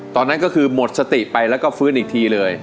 ตอนนั้นก็คือหมดสติไปแล้วก็ฟื้นอีกทีเลย